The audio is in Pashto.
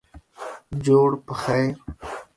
جوړ پخیر